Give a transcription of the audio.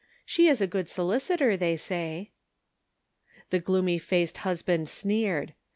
She is a good solicitor they say." The gloomy faced husband sneered.